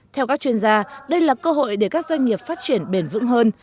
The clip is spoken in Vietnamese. theo các chuyên gia đây là cơ hội để các doanh nghiệp phát triển bền vững hơn